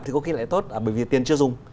thì có khi lại tốt bởi vì tiền chưa dùng